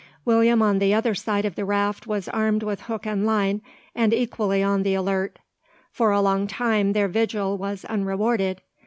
William on the other side of the raft was armed with hook and line, and equally on the alert. For a long time their vigil was unrewarded.